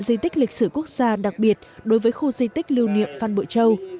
di tích lịch sử quốc gia đặc biệt đối với khu di tích lưu niệm phan bội châu